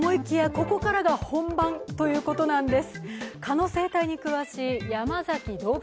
ここからが本番ということなんです。